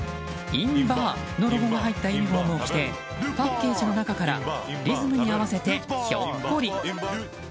ｉｎバーのロゴが入ったユニホームを着てパッケージの中からリズムに合わせてひょっこり。